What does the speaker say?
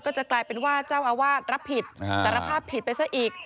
จะกลายเป็นว่าเจ้าอาวาสรับผิดสารภาพผิดไปซะอีก